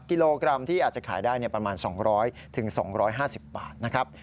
กิโลกรัมที่อาจจะขายได้ประมาณ๒๐๐๒๕๐บาทนะครับ